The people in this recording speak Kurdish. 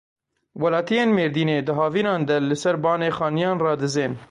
Welatiyên Mêrdînê di havînan de li ser bane xaniyan radizên.